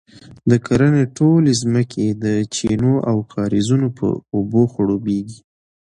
د کرنې ټولې ځمکې یې د چینو او کاریزونو په اوبو خړوبیږي،